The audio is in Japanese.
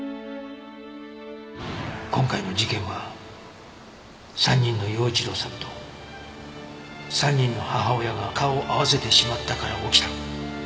今回の事件は３人の耀一郎さんと３人の母親が顔を合わせてしまったから起きた。